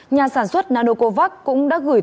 nhà sản xuất nanocovax cũng đã gửi